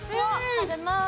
食べます。